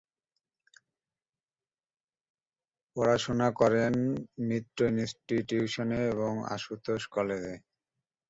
পড়াশোনা করেন মিত্র ইনস্টিটিউশনে এবং আশুতোষ কলেজে।